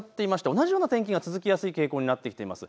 同じような天気が続きやすい傾向になってきています。